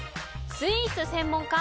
スイーツ専門家